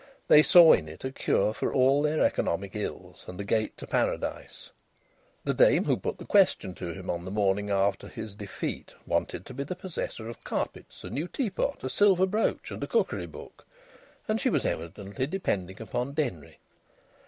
They saw in it a cure for all their economic ills, and the gate to Paradise. The dame who put the question to him on the morning after his defeat wanted to be the possessor of carpets, a new teapot, a silver brooch, and a cookery book; and she was evidently depending upon Denry.